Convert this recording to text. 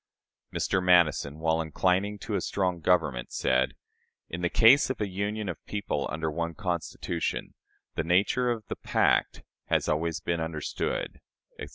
" Mr. Madison, while inclining to a strong government, said: "In the case of a union of people under one Constitution, the nature of the pact has always been understood," etc.